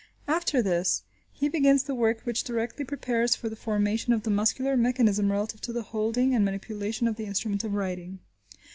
After this, he begins the work which directly prepares for the formation of the muscular mechanism relative to the holding and manipulation of the instrument of writing.